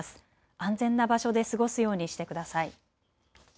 安全な場所で過ごすようにしてください。